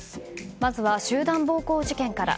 まずは集団暴行事件から。